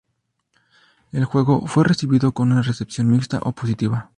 El juego fue recibido con una recepción mixta o positiva.